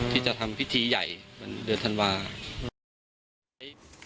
ที่จะทำพิธีใหญ่วันเดือนธันวาคม